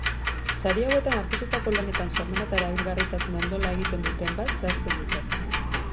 Sari hauetan aurkeztutako lanetan sormena eta erabilgarritasuna nola egiten duten bat zehazten dute.